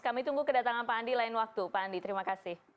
kami tunggu kedatangan pak andi lain waktu pak andi terima kasih